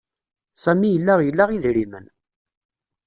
Sami yella ila idrimen.